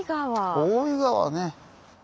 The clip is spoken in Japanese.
大井川ね。